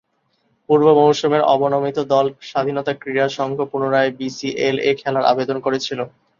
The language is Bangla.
পূর্ব মৌসুমের অবনমিত দল স্বাধীনতা ক্রীড়া সংঘ পুনরায় বিসিএল-এ খেলার আবেদন করেছিল।